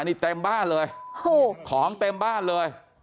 นี่เต็มบ้านเลยโอ้โหของเต็มบ้านเลย